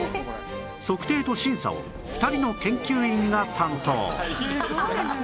測定と審査を２人の研究員が担当